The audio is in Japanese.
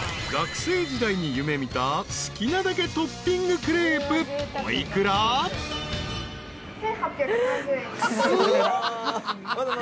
［学生時代に夢見た好きなだけトッピングクレープ。